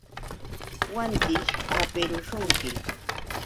Wantićh hapirushunki.